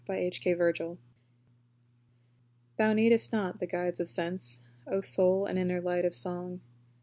37 TO IMAGINATION. Thou needest not the guides of Sense, O soul and inner light of song!